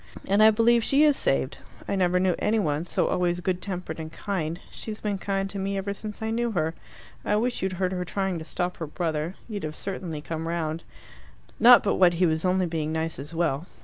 "And I believe she is saved. I never knew any one so always good tempered and kind. She's been kind to me ever since I knew her. I wish you'd heard her trying to stop her brother: you'd have certainly come round. Not but what he was only being nice as well.